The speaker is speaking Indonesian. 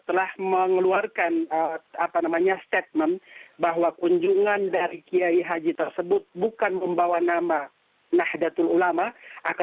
telah mengeluarkan statement bahwa kunjungan dari kiai haji tersebut bukan membawa nama nahdlatul ulama